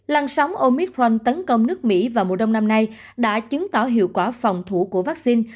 lăn sóng omitrank tấn công nước mỹ vào mùa đông năm nay đã chứng tỏ hiệu quả phòng thủ của vaccine